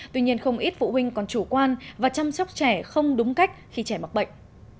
tuy nhiên không ít phụ huynh còn chủ quan và chăm sóc trẻ không đúng cách khi trẻ mắc bệnh